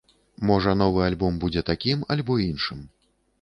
Можа новы альбом будзе такім альбо іншым.